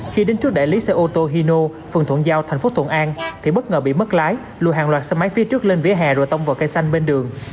khi đến trước đại lý xe ô tô hyo phường thuận giao thành phố thuận an thì bất ngờ bị mất lái lùi hàng loạt xe máy phía trước lên vỉa hè rồi tông vào cây xanh bên đường